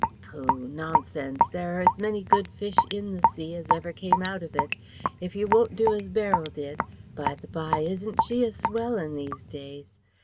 "Pooh! nonsense. There are as many good fish in the sea as ever came out of it. If you won't do as Beryl did by the bye isn't she a swell in these days!